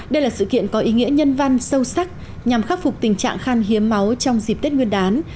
đây là sự kiện có ý nghĩa nhân văn sâu sắc nhằm khắc phục tình trạng khan hiếm máu trong dịp tết nguyên đán